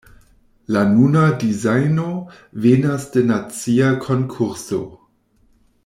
La nuna dizajno venas de nacia konkurso.